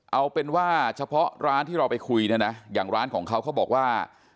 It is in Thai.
เอาเป็นว่าเฉพาะร้านที่เราไปคุยเนี่ยนะอย่างร้านของเขาเขาบอกว่า